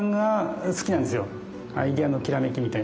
アイデアのきらめきみたいな。